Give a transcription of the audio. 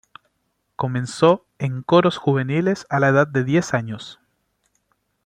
Comenzó en coros juveniles a la edad de diez años.